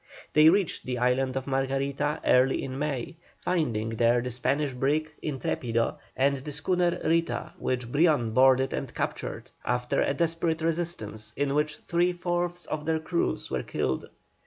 They reached the island of Margarita early in May, finding there the Spanish brig Intrepido and the schooner Rita, which Brion boarded and captured, after a desperate resistance in which three fourths of their crews were killed.